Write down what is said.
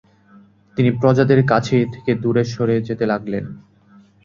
তিনি প্রজাদের কাছ থেকে দূরে সরে যেতে লাগলেন।